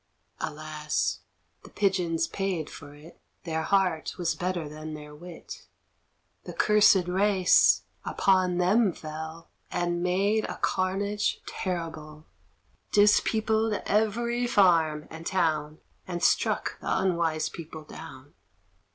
Alas! the Pigeons paid for it; Their heart was better than their wit; The cursed race upon them fell, And made a carnage terrible; Dispeopled every farm and town, And struck the unwise people down.